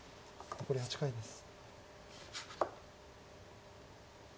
残り８回です。